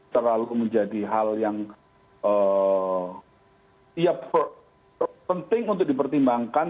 terlalu menjadi hal yang penting untuk dipertimbangkan